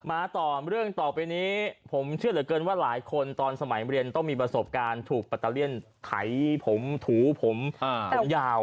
มาต่อเรื่องต่อไปนี้ผมเชื่อเหลือเกินว่าหลายคนตอนสมัยเรียนต้องมีประสบการณ์ถูกปัตเตอร์เลี่ยนไถผมถูผมผมยาว